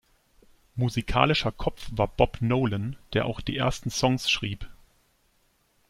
Musikalischer Kopf war Bob Nolan, der auch die ersten Songs schrieb.